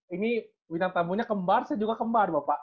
ini bintang tamunya kembar saya juga kembar bapak